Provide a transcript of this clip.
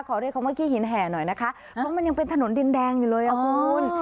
ขอด้วยเขามากี่หินแหหน่อยนะคะเพราะมันยังเป็นถนนดินแดงอยู่เลยอะคุณ